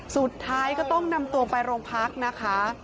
สุดท้ายก็ต้องนำตัวไปโรงพักนะคะ